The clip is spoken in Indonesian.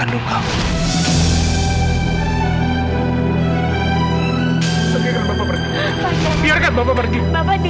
anda mereka ifman totaku dalam tiga puluh menit